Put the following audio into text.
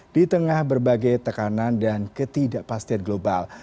di tengah berbagai tekanan dan ketidakpastian global